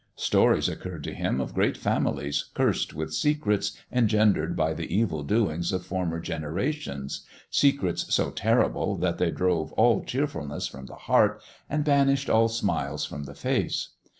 Stories occurred to him of great families cursed with secrets engendered by the evil doings of former generations, secrets so terrible that they drove all cheerful ness from the heart, and banished all smiles from the face.